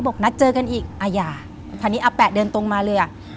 บอกนัดเจอกันอีกอาญาคราวนี้อาแปะเดินตรงมาเลยอ่ะ